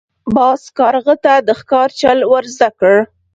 باز کارغه ته د ښکار چل ور زده کړ.